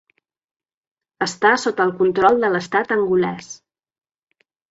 Està sota el control de l'Estat angolès.